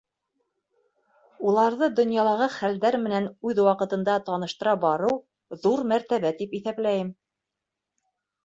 Уларҙы донъялағы хәлдәр менән үҙ ваҡытында таныштыра барыу ҙур мәртәбә тип иҫәпләйем.